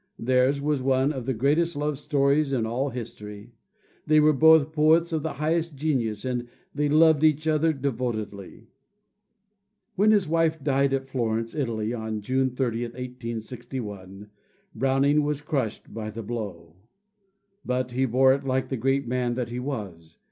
Theirs was one of the greatest love stories in all history. They were both poets of the highest genius, and they loved each other devotedly. When his wife died at Florence, Italy, on June 30, 1861, Browning was crushed by the blow. But he bore it like the great man that he was.